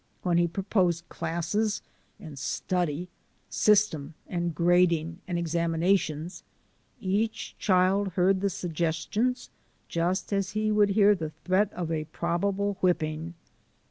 When he proposed classes and study, system and grading and examinations, each child heard the suggestions just as he would hear the threat of a probable whipping.